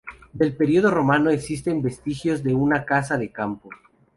Del período romano existen vestigios de una casa de campo.